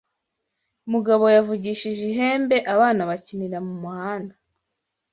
Mugabo yavugije ihembe abana bakinira mu muhanda.